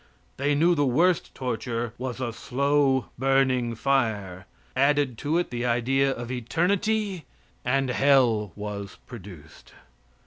They knew the worst torture was a slow, burning fire; added to it the idea of eternity, and hell was produced.